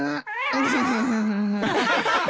アハハハ。